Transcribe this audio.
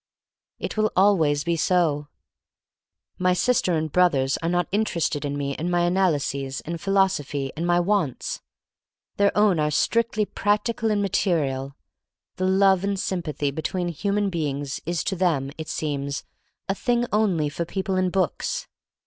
It will always be so. My sister and brothers are not inter ested in me and my analyses and philosophy, and my wants. Their own are strictly practical and material. The love and sympathy between human beings is to them, it seems, a thing only for people in books.